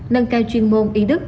nâng cao chuyên môn y đức